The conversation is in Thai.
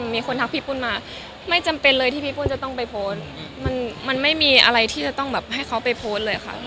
มีคนทักพี่ปุ้นมาไม่จำเป็นเลยที่พี่ปุ้นจะต้องไปโพสต์มันไม่มีอะไรที่จะต้องแบบให้เขาไปโพสต์เลยค่ะ